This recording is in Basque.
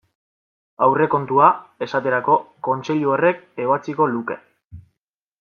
Aurrekontua, esaterako, Kontseilu horrek ebatziko luke.